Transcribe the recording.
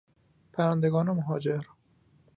پرندگان مهاجر